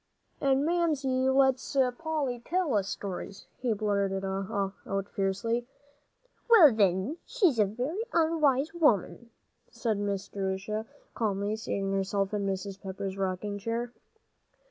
"And Mamsie lets Polly tell us stories," he blurted out fiercely. "Well, then, she's a very unwise woman," said Miss Jerusha, calmly seating herself in Mrs. Pepper's rocking chair.